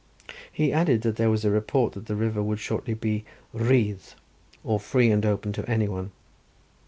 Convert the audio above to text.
He added that there was a report that the river would shortly be rhydd, or free, and open to any one.